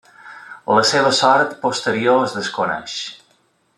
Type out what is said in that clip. La seva sort posterior es desconeix.